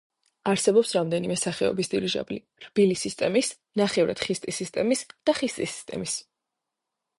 არსებობს რამდენიმე სახეობის დირიჟაბლი: რბილი სისტემის, ნახევრად ხისტი სისტემის და ხისტი სისტემის.